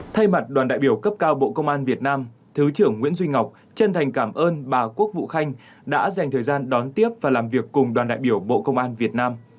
thay mặt đoàn đại biểu cấp cao bộ công an việt nam thứ trưởng nguyễn duy ngọc chân thành cảm ơn bà quốc vụ khanh đã dành thời gian đón tiếp và làm việc cùng đoàn đại biểu bộ công an việt nam